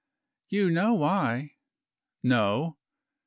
"You know why." "No."